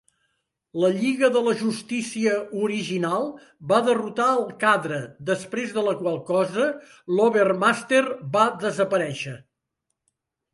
La Lliga de la Justícia original va derrotar el Cadre, després de la qual cosa l'Overmaster va desaparèixer.